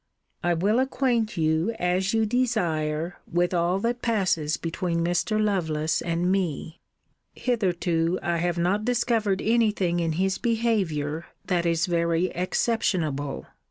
I will acquaint you, as you desire, with all that passes between Mr. Lovelace and me. Hitherto I have not discovered any thing in his behaviour that is very exceptionable.